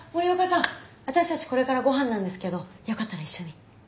私たちこれからごはんなんですけどよかったら一緒に。